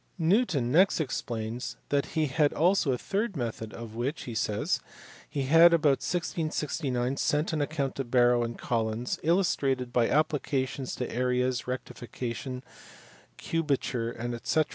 Newton next explains that he had also a third method, of which (he says) he had about 1669 sent an account to Barrow and Collins, illustrated by applications to areas, rectification, cubature, tkc.